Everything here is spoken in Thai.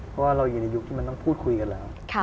เพราะว่าเราอยู่ในยุคที่มันต้องพูดคุยกันแล้ว